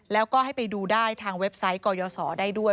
แล้วก็ให้ไปดูได้ทางเว็บไซต์กยศได้ด้วย